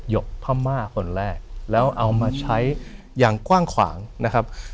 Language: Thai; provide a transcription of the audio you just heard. กพม่าคนแรกแล้วเอามาใช้อย่างกว้างขวางนะครับ